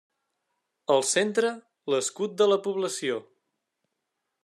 Al centre, l'escut de la població.